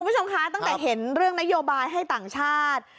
คุณผู้ชมคะตั้งแต่เห็นเรื่องนโยบายให้ต่างชาติ